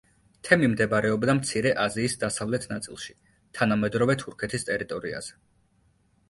თემი მდებარეობდა მცირე აზიის დასავლეთ ნაწილში, თანამედროვე თურქეთის ტერიტორიაზე.